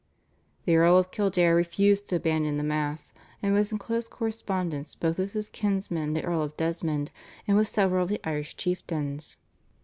The Earl of Kildare refused to abandon the Mass, and was in close correspondence both with his kinsman the Earl of Desmond, and with several of the Irish chieftains.